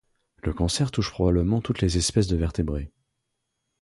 Le cancer touche probablement toutes les espèces de vertébrés.